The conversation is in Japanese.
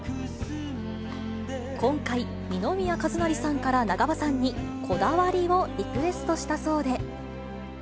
今回、二宮和也さんから長場さんにこだわりをリクエストしたそうで。